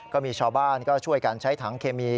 ก็มีชาวบ้านก็ช่วยกันใช้ถังเคมี